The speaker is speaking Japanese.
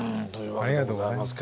ありがとうございます。